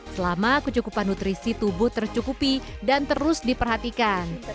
selama kecukupan nutrisi tubuh tercukupi dan terus diperhatikan